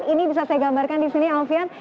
ini bisa saya gambarkan di sini alfian